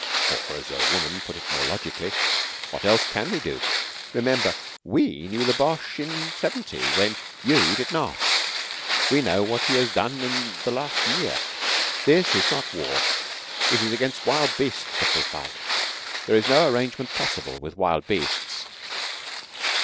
Or as a woman put it more logically, "What else can we do? Remember, we knew the Boche in '70 when you did not. We know what he has done in the last year. This is not war. It is against wild beasts that we fight. There is no arrangement possible with wild beasts."